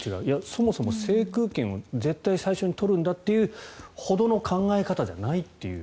そもそも制空権を絶対に最初に取るんだというほどの考え方じゃないという。